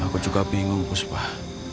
aku juga bingung gusbah